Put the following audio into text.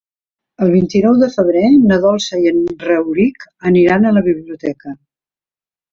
El vint-i-nou de febrer na Dolça i en Rauric aniran a la biblioteca.